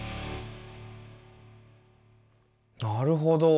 なるほど。